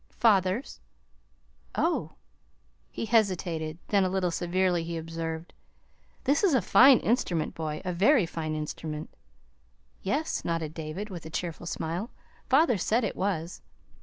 "Father's." "Oh!" He hesitated; then, a little severely, he observed: "This is a fine instrument, boy, a very fine instrument." "Yes," nodded David, with a cheerful smile. "Father said it was.